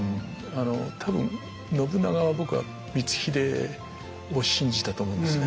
あの多分信長は僕は光秀を信じたと思うんですね。